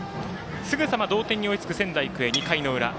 すぐさま同点に追いつく仙台育英、２回の裏。